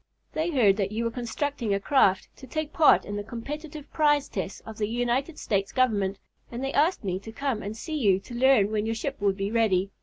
They heard that you were constructing a craft to take part in the competitive prize tests of the United States Government, and they asked me to come and see you to learn when your ship would be ready.